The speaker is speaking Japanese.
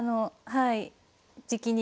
はい。